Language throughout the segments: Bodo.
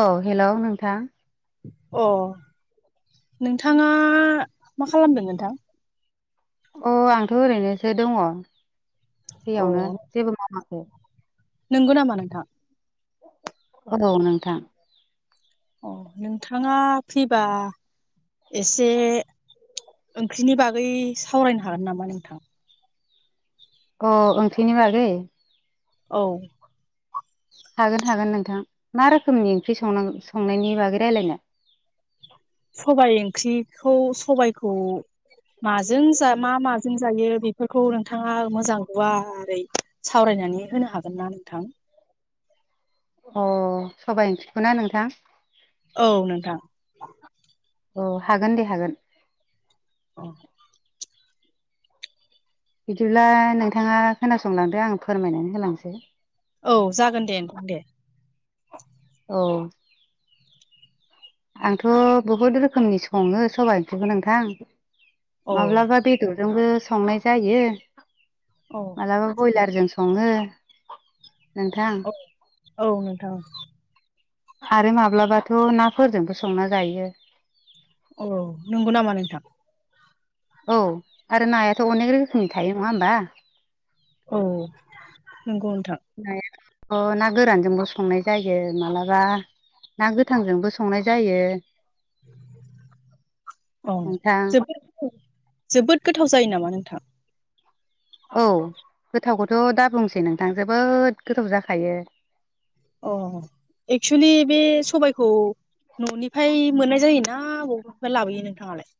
औ हेलौ नोंथां। अ नोंथाङा मा खालामदों नोंथां? अ आंथ' ओरैनोसो दङ फ्रिआवनो जेबो मावाखै। नोंगौ नामा नोंथां? औ नोंथां। अ नोंथाङा फैबा एसे ओंख्रिनि बागै सावरायनो हागोन नामा नोंथां? अ ओंख्रिनि बागै? औ। हागोन हागोन नोंथां मा रोखोमनि ओंख्रि संनां संनायनि बागै रायलायनो? सबाय ओंख्रिखौ सबायखौ माजों जा मा माजों जायो बेफोरखौ नोंथाङा मोजां गुवारै सावरायनो नानै होनो हागोन ना नोंथां? अ सबाय ओंख्रिखौ ना नोंथां? औ नोंथां। औ हागोन दे हागोन। औ। बिदिब्ला नोंथाङा खोनासंलांदो आं फोरमायनानै होलांसै। औ जागोन दे नोंथां दे। औ। आंथ' बहुद रोखोमनि सङो सबाइ ओंख्रिखौ नोंथां। औ माब्लाबा बेदरदोंबो संनाय जायो। औ मालाबा बयलारजों सङो। नोंथां औ औ नोंथां आरो माब्लाबाथ' नाफोरजोंबो संना जायो औ नंगौ नामा नोंथां? औ आरो नायाथ' अनेक रोखोमनि थायो नङा होमबा? औ नंगौ नोंथां ओ ना गोरानजोंबो संनाय जायो मालाबा ना गोथांजोंबो संनाय जायो [unintelligible] औ नोंथां जोबोद [unintelligible] जोबोद गोथाव जायो नामा नोंथां? औ गोथावखौथ' दा बुंसै नोंथां जोबोद गोथाव जाखायो। अ एक्सलि बे सबाइखौ न'निफ्राय मोननाय जायोना बबेनिफ्राय लाबोयो नोंथाङालाय?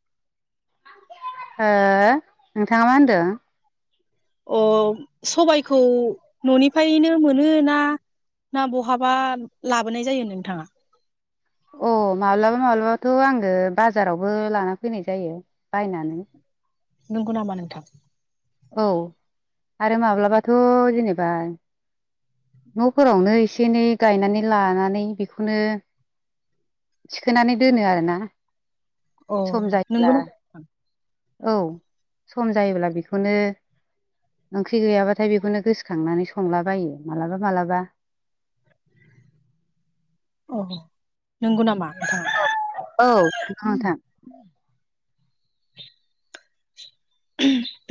नोंथाङा मा होनदों? अ सबाइखौ न'निफ्रायनो मोनोना ना बहाबा लाबोनाय जायो नोंथाङा? अ माब्लाबा माब्लाबाथ' आङो बाजारावबो लाना फैनाय जायो बायनानै नंगौ नामा नोंथां? औ आरो माब्लाबाथ' जेनेबा न'फोरावनो एसे एनै गायनानै लानानै बेखौनो थिखोनानै दोनो आरोना अ सम जायोब्ला नोंगौ औ सम जायोब्ला बेखौनो ओंख्रि गैयाबाथाय बेखौनो गोसोखांनानै संलाबायो मालाबा मालाबा अ नंगौ नामा? नोंथाङा औ नोंगौ नोंथां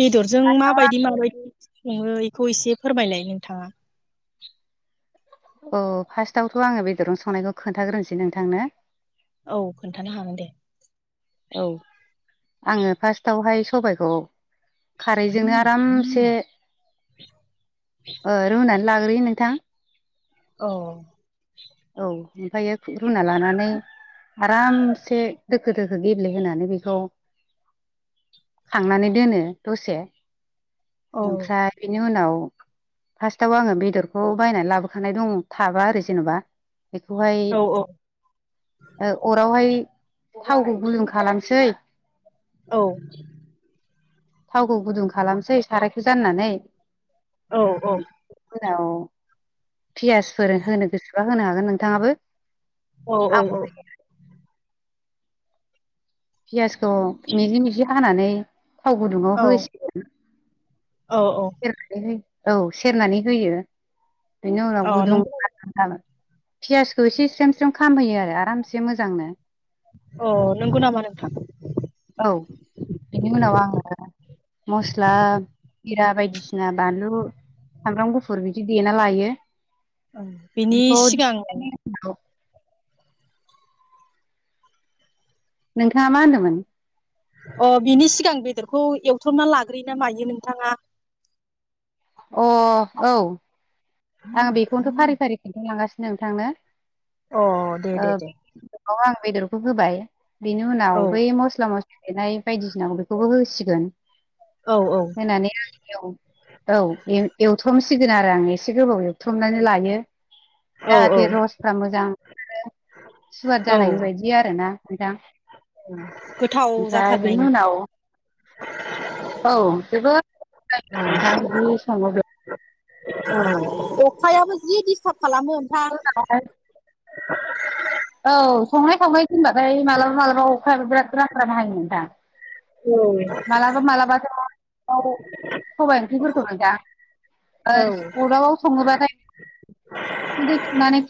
बेदरजों माबादि माबायदि सङो बेखौ एसे फोरमायलाय नोंथाङा औ फार्स्टआवथ' आङो बेदरन संनायखौ खोन्थाग्रोनोसै नोंथांनो औ खोन्थानो हागोन दे औ आङो फार्स्टआवहाय सबाइखौ खारैजोंनो आरामसे ओ रुनानै लाग्रोयो नोंथां औ औ ओमफ्रायायो रुना लानानै आरामसे दोखो दोखो गेब्लेहोनानै बेखौ खांनानै दोनो दसे औ ओमफ्राय बेनि उनाव फार्स्टआव आङो बेदरखौ बायनानै लाबोखानाय दङ थाबा आरो जेन'बा बेखौहाय औ अरावहाय थावखौ गुलुं खालामसै औ थावखौ गुदुं खालामसै सारायखौ जाननानै औ औ नाव पियासफोर होनो गोसोबा होनो हागोन नोंथाङाबो औ आं -औ पियासखौ मिजि मिजि हानानै थाव गुदुङाव औ होसिगोन। औ औ सेर हो औ सेरनानै होयो बेनि उनाव अ नंगौ गुदुंनानै जाबाय पियासखौ एसे स्रेम -स्रेम खामहैयो आरो आरामसे मोजांनो अ नंगौ नामा नोंथां? औ बेनि उनाव आङो मस्ला जिरा बायदिसिना बानलु सामब्राम गुफुर बिदि देना लायो बिनि बेखौ सिगां देग्लिनानै नोंथाङा मा होनदोंमोन? अ बिनि सिगां बेदरखौ एवथ्रमना लाग्रोयो ना मायो नोंथाङा? अ औ आं बेखौनोथ' फारि फारि खिथालांगासिनो नोंथांनो अ दे दे ओ दे आं बेदरखौ होबाय बिनि उनाव औ बै मस्ला मस्लि । देनाय बायदिसिना बेखौबो होसिगोन। औ औ । होनानै औ एवथ्रमसिगोन आरो आं एसे गोबाव एव थ्रमनानै लायो औ औ जाहाथे रसफ्रा मोजां । सुवार औ जानाय बायदि आरो ना नोंथां। गोथाव ओमफ्राय बेनो जाथारनायनि उनाव औ जोबोद नोंथाङादि सङाव बे अखायाबो जि डिस्टार्ब खालामो नोंथां उनावहाय औ संनाय खावनाय होनबाथाय मालाबा मालाबा अखायाबो बिराद राथ्रा बाहायोमोनोंथां। मालाबा मालाबाथो सबाय ओंख्रिफोरखौमोन दा औ अदाबाव सङोबाथाय उखुन्दै खुनानै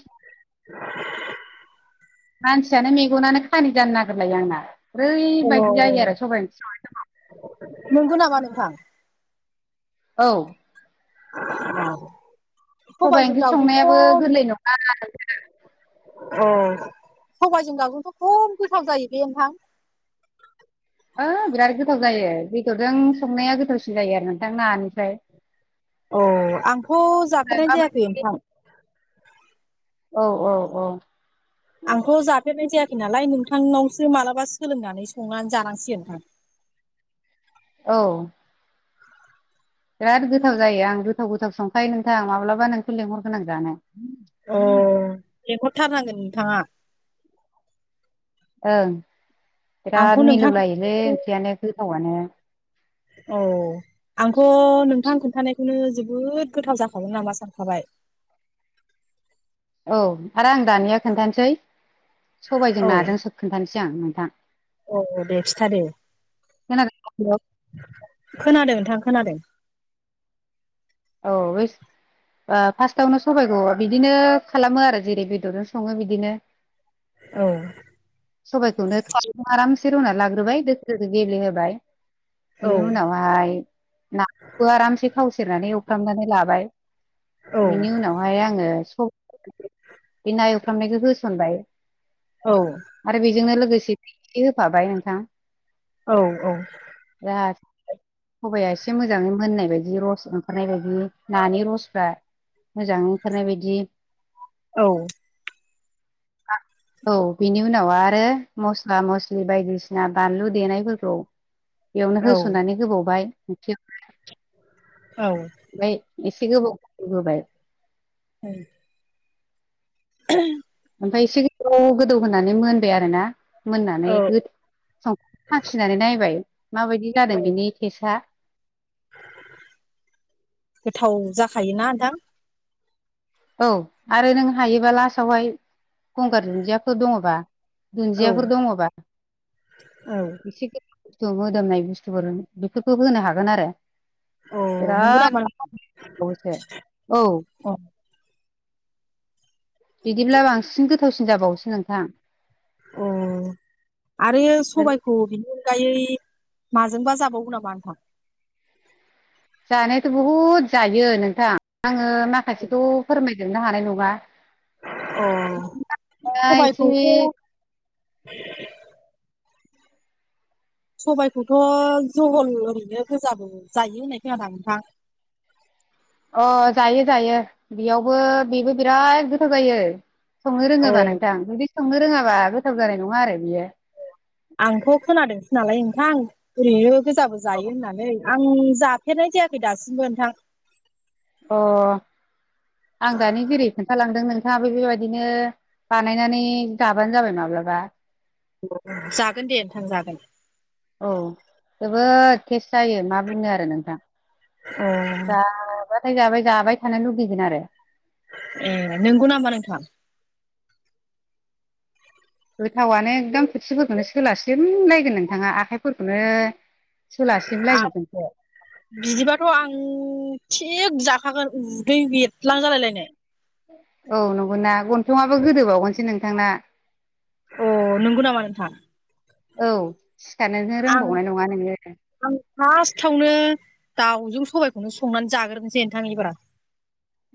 [inaudible] मानसियानो मेगनानो खानि जानो नागिरलायो आंना ओरैबायदि जायो आरो सबाइनिफ्राय नंगौ नामा नोंथां। औ औ सबाइ सबायजों ओंख्रि दाउजों संनायाबो गोरलै नङा थ' सबाइजों दाउजोंथ' खम गोथाव जायो बे नोंथां। ओ बिराद गोथाव जायो दैदरजों संनाया गोथावसिन जायो आरो नोंथां नानिफ्राय अ आंथ' जाफेरनाय जायाखै माबायदि नोंथां। औ औ औ आंखौ जाफेरनाय जायासै नालाय नोंथांनावसो मालाबा सोलोंनानै संनानै जानांसिगोन नोंथां। औ बिराद गोथाव जायो आं गोथाव गोथाव संखायो नोंथां आ माब्लाबा नोंथो लेंहरगोनां जानो। अ लेंहरथारनांगोन नोंथाङा। ओं आंखौ बिराद नोंथां मिलौलायोलै ओंख्रियानो गोथावानो। औ आंथ' नोंथां खोन्थानायखौनो जोबोद गोथाव जाखागोन नामा सानखाबाय। [inaudible] औ आरो आं दानिया खोन्थानोसै सबायाइजों औ नाजों सोब खोन्थानोसै आं नोंथां। औ दे खिथादे खोनादों खोनादों नोंथां खोनादों औ बे फार्स्टआवनो सबाइखौ बिदिनो खालामो आरो जेरै बेदरजों सङो बिदिनो। औ सबाइखौ आराम एसे रुना लाग्रोबाय दोख गेलेहोबाय। औ बेनि उनावहाय नाखौ आरामसे थावव सेरनानै एवफ्रामनानै लाबाय। औ बेनि उनावहाय आङो बे ना एवफ्रामनायखौ होसनबाय औ आरो बेजोंनो। लोगोसे एसे होफाबाय नोंथां। औ औ। सबाइाया एसे मोजाङै मोननाय बायदि रस ओंखारनाय बायदि नानि रसफ्रा मोजाङै ओंखारनाय बायदि औ । औ बिनि उनाव आरो मस्ला मस्लि बायदिसिना बानलु देनायफोरखौ बेयावनो होसननानै होबावबाय। औ ओमफ्राय एसे गोबाव गोदौहोबाय। उम। [unintelligible] ओमफ्राय एसे गोदौ गोदौ होनानै मोनबाय आरो ना। मोननानै औ संख्रि साखिनानै नायबाय माबायदि औ जादों बेनि टेस्टआ गोथाव जाखायोना नोंथां। औ आरो नों हायोबा लास्टावहाय गंगार दुन्दियाफोर दङबा औ दुन्दियाफोर दङबा औ एसे गोबाव बथु मोदोमनाय बुस्थुफोर बेफोरखौ होनो हागोन आरो। अ नंगौ नामा? बिराद औ अ बिदिब्ला बांसिन गोथावसिन जाबावोसो नोंथां अ आरोयो सबायाइखौ बेनि अनगायै माजोंबा जाबावगौ नामा नोंथां जानायाथ' बहुद जायो नोंथां आङो माखासेखौ फोरमायगोन नो हानाय नङा अ दा एसे सबायाइखौथ' सबायखौथ' जहल ओरैनो गोजाबो जायो होननाय खोनादो आं नोंथां [unintelligible] अ जायो जायो बेयावबो बेबो बिराद गोथाव जायो संनो रोङोबा औ नोंथां जुदि संनो रोङाबा गोथाव जानाय नङा आरो बियो आंथ' खोनादोंसो नालाय नोंथां ओरैनो गोजाबो जायो होननानै आं आं जाफेरनाय जायाखै दासिमबो नोंथां। अ आं दानि जेरै खोन्थालांदोंमोन नोंथाङाबो बेबायदिनो बानायनानै जाबानो जाबाय माब्लाबा जागोन दे नोंथां जागोन औ जोबोद तेस्ट जायो मा बुंनो आरो नोंथां अ। हाथाय जाबाय जाबाय थानो लुुबैगोन आरो। ए नोंगौ नामा नोंथां गोथावानो एकदम खोथिफोरखौनो सोलासिमलायगोन नोंथाङा आखाइफोरखौनो सोलास्लिमलायजोबगोनसो बिदिबाथ' आं थिक जाखागोन उदै बेरलां जालायलायनो औ नंगौ ना गनथंआो गोदोबावगोनसो नोंथांना अ नंगौ नामा नोंथां औ सिखारनोनो आं रोंबावनाय नङा नोङो आं फार्स्टआवनो दाउजों सबाइखौनो संनानै जाग्रोनोसै नोंथां इबारा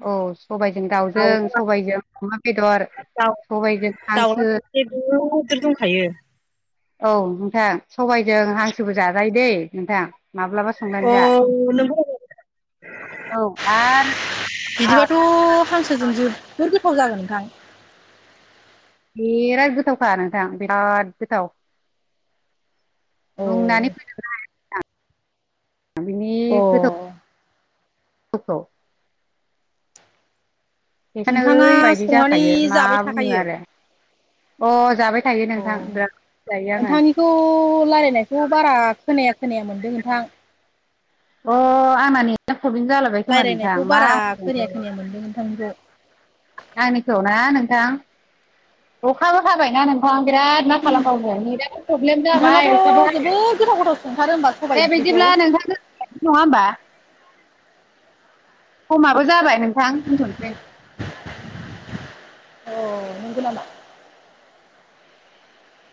औ सबायजों दाउजों सबायजों अमा बेदर दाउ सबायजों हांसो दाउलासे गोदोर दंखायो। औ नोंथां सबायजों हांसोबो जाजायो दैे नोंथां माब्लाबा संनानि अ जा नोंगौ औ आरो। बिदिबाथ' हांसोजों जुबबुर गोथाव जागोन नोंथां बेराद गोथावखा नोंथां बिराद गोथाव। अ बुंनानि फोजोबनो हाया नोंथां अ। [inaudible] बेंखायनो नोंथाङा ओरैबायदि संनानै जाखायो मा जाबाय बुङो थाखायो आरो अ जाबाय थायो अ नोंथां बिराद जायो आङो नोंथांनिखौ रायलायनायखौ बारा खोनाया खोनाया मोनदों नोंथां अ आंना नेता प्रब्लेम जाालायबाय खोमा नोंथां रायलायनायखौ मा बारा खोनाया होनबावनो। खोनाया मोनदों नोंथांनिखौ आंनिखौ ना नोंथां अखाबो हाबायना नोंथां बिराद मा खालामबावनो नेदाबो प्रब्लेम जाबाय नोंथाङाथ' अखाबबो हाबाय जोबोद गोथाव गोथाव संथारो होमबा सबाय दे ओंख्रिखौ बिदिब्ला नोंथां नङा होमबा समाबो जाबाय नोंथां दुनथनसै औ नंगौनामा